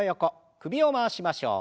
首を回しましょう。